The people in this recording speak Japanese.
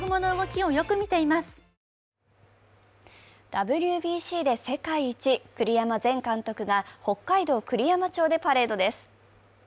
ＷＢＣで世界一、栗山前監督が北海道栗山町でパレードです。